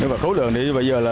và khối lượng